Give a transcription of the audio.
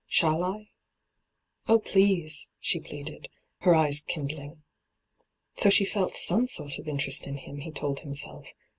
Shall I V ' Oh, please t' she pleaded, her eyes kind ling. So she felt some sort of interest in him, he told himself.